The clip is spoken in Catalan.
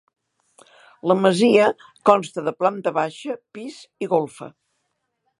La masia consta de planta baixa, pis i golfa.